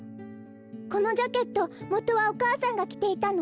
このジャケットもとはお母さんがきていたの？